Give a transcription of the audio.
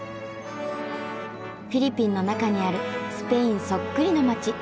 フィリピンの中にあるスペインそっくりの街。